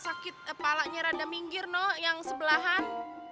sakit kepala nya rada minggir no yang sebelahan